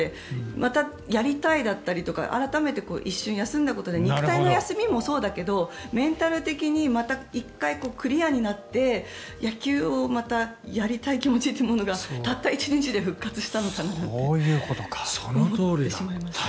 またやりたいだったりとか改めて一瞬休んだことで肉体の休みもそうだけどメンタル的にまた１回クリアになって野球をまたやりたい気持ちってものがたった１日で復活したのかなって。